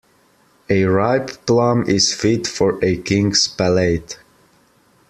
A ripe plum is fit for a king's palate.